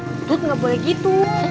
encut gak boleh gitu